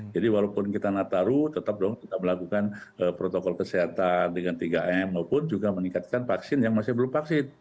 jadi walaupun kita nataru tetap dong kita melakukan protokol kesehatan dengan tiga m maupun juga meningkatkan vaksin yang masih belum vaksin